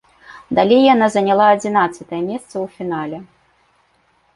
Далей яна заняла адзінаццатае месца ў фінале.